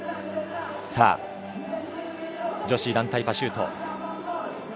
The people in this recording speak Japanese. さあ、女子団体パシュート。